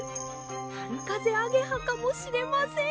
はるかぜアゲハかもしれません！